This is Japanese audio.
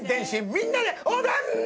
みんなでおでん！